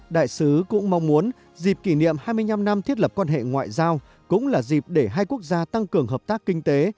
đại sứ cũng mong muốn dịp kỷ niệm hai mươi năm năm thiết lập quan hệ ngoại giao cũng là dịp để hai quốc gia tăng cường hợp tác kinh tế